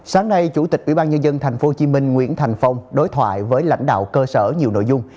sáng nay chủ tịch ubnd tp hcm nguyễn thành phong đối thoại với lãnh đạo cơ sở nhiều nội dung